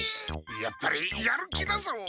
やっぱりやる気だぞ！